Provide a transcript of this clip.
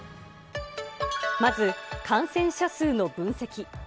まず感染者数の分析。